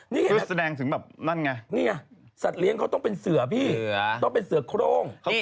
นี่เห็นไหมนี่สัตว์เลี้ยงเขาต้องเป็นเสือพี่ต้องเป็นเสือโครง